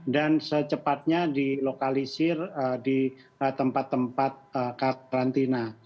dan secepatnya dilokalisir di tempat tempat karantina